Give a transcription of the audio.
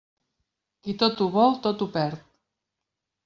Qui tot ho vol, tot ho perd.